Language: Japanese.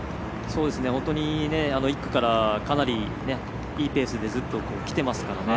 本当に、１区からかなりいいペースでずっときていますからね。